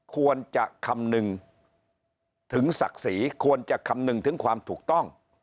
ควรจะคำนึงถึงศักดิ์ศรีควรจะคำนึงถึงความถูกต้อง